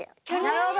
なるほど。